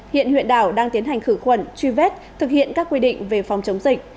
hiện huyện đảo đang tiến hành khử khuẩn truy vết thực hiện các quy định về phòng chống dịch